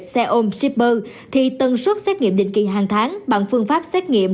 xe ôm shipper thì tần suất xét nghiệm định kỳ hàng tháng bằng phương pháp xét nghiệm